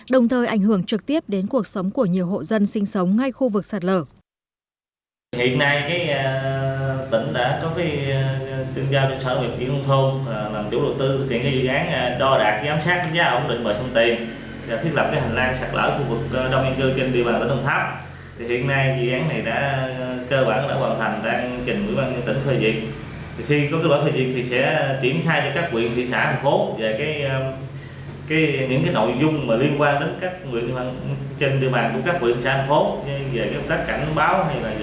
đồng thời ảnh hưởng trực tiếp đến cuộc sống của nhiều hộ dân sinh sống ngay khu vực sạt lở